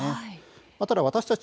ただ私たち